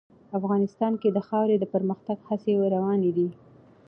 افغانستان کې د خاوره د پرمختګ هڅې روانې دي.